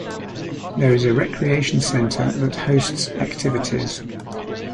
There is a recreation center that hosts activities.